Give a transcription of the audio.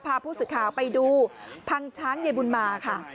พาผู้สึกข่าวไปดูพังช้างเยบูนมาค่ะ